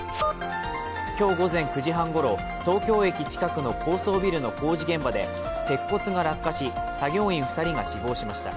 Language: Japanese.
今日午前９時半ごろ、東京駅近くの高層ビルの工事現場で鉄骨が落下し、作業員２人が死亡しました。